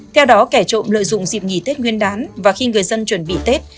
theo đó kẻ trộm lợi dụng dịp nghỉ tết nguyên đán và khi người dân chuẩn bị tết